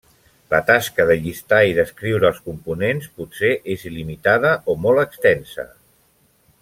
La tasca de llistar i descriure els components potser és il·limitada o molt extensa.